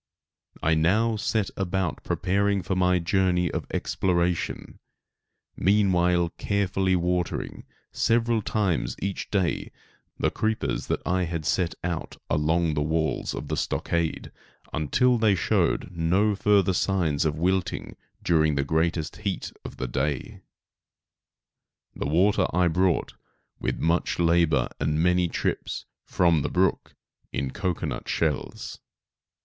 I now set about preparing for my journey of exploration, meanwhile carefully watering, several times each day, the creepers that I had set out along the walls of the stockade, until they showed no further signs of wilting during the greatest heat of the day. The water I brought, with much labor and many trips, from the brook, in cocoanut shells.